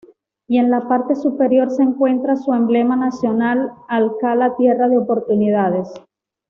Y en la parte superior se encuentra su emblema nacional: "Alcala Tierra de Oportunidades".